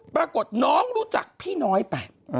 ปรากฏน้องรู้จักพี่น้อยไป